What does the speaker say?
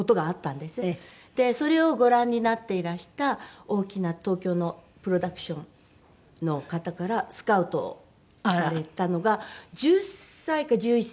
でそれをご覧になっていらした大きな東京のプロダクションの方からスカウトされたのが１０歳か１１歳。